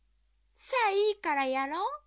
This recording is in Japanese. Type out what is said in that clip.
「さあいいからやろう？